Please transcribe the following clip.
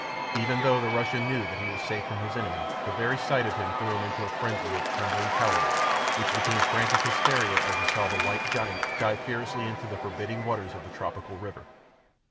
Even though the Russian knew that he was safe from his enemy, the very sight of him threw him into a frenzy of trembling cowardice, which became frantic hysteria as he saw the white giant dive fearlessly into the forbidding waters of the tropical river.